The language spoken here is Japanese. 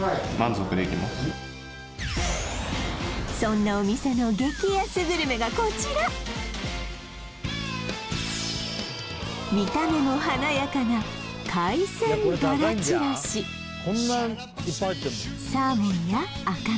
そんなお店の激安グルメがこちら見た目も華やかな海鮮バラちらしサーモンや赤身